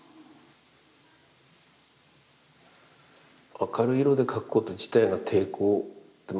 明るい色で描くこと自体が抵抗ま